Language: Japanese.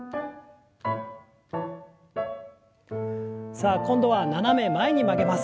さあ今度は斜め前に曲げます。